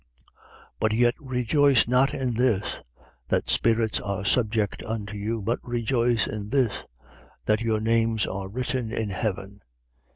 10:20. But yet rejoice not in this, that spirits are subject unto you: but rejoice in this, that your names are written in heaven.